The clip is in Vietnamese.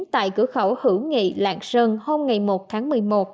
tại cửa khẩu hữu nghị lạng sơn hôm ngày một tháng một mươi một